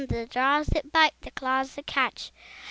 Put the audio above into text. The jaws that bite, the claws that catch!